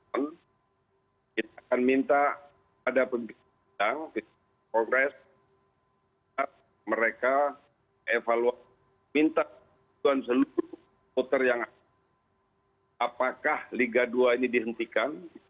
akan minta ada pembeli yang progress mereka evaluasi minta tuan seluruh motor yang apakah liga dua ini dihentikan